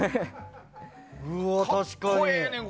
うわあ、確かに！